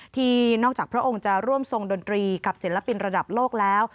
ที่นอกจากพระองค์จะร่วมทรงดนตรีกับศิลปินระดับโลกแล้ว